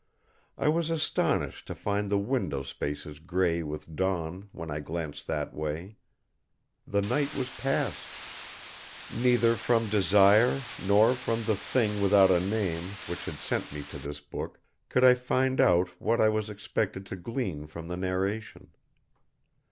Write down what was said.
I was astonished to find the window spaces gray with dawn, when I glanced that way. The night was past. Neither from Desire nor from the Thing without a name which had sent me to this book could I find out what I was expected to glean from the narration.